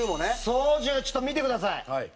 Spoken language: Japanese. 操縦ちょっと見てください。